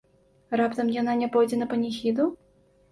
Раптам яна не пойдзе на паніхіду?